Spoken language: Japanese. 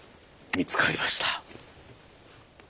見つかりました。